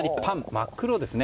真っ黒ですね。